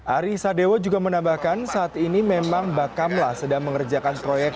ari sadewo juga menambahkan saat ini memang bakamla sedang mengerjakan proyek